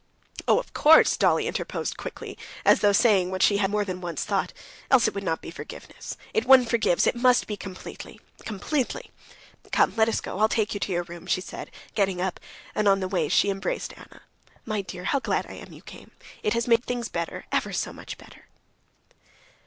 "Oh, of course," Dolly interposed quickly, as though saying what she had more than once thought, "else it would not be forgiveness. If one forgives, it must be completely, completely. Come, let us go; I'll take you to your room," she said, getting up, and on the way she embraced Anna. "My dear, how glad I am you came. It has made things better, ever so much better."